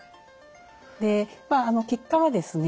で結果はですね